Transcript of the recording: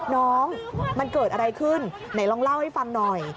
น้องมันเกิดอะไรขึ้นไหนลองเล่าให้ฟังหน่อย